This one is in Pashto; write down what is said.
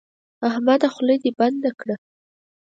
احمده خوله دې بنده کړه.